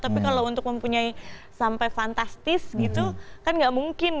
tapi kalau untuk mempunyai sampai fantastis gitu kan nggak mungkin